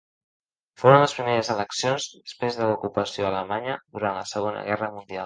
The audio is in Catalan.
Foren les primeres eleccions després de l'ocupació alemanya durant la Segona Guerra Mundial.